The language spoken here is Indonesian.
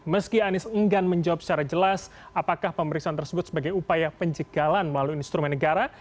meski anies enggan menjawab secara jelas apakah pemeriksaan tersebut sebagai upaya pencegalan melalui instrumen negara